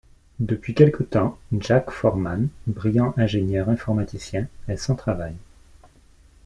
Depuis quelque temps, Jack Forman, brillant ingénieur informaticien, est sans-travail.